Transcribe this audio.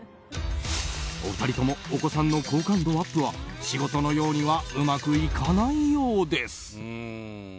お二人ともお子さんの好感度は仕事のようにはうまくいかないようです。